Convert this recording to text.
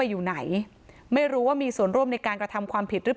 อยู่ไหนไม่รู้ว่ามีส่วนร่วมในการกระทำความผิดหรือเปล่า